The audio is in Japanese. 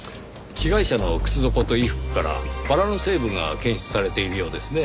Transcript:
被害者の靴底と衣服からバラの成分が検出されているようですね。